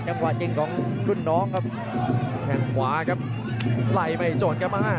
จำกวาห์เจ้งของคุณน้องครับแค่งขวาครับไลไม่จนกันมา